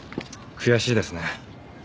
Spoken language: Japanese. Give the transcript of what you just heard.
悔しいですね。